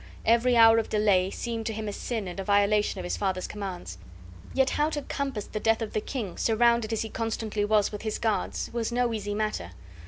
Every hour of delay seemed to him a sin and a violation of his father's commands. Yet how to compass the death of the king, surrounded as he constantly was with his guards, was no easy matter.